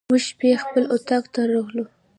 موږ شپې خپل اطاق ته راغلو.